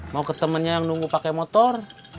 mau ke temennya yang nunggu pakai motor